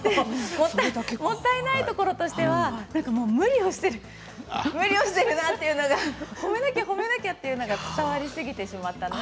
もったいないところというのは無理をしているなっていうのが褒めなきゃ褒めなきゃというのが伝わりすぎてしまって。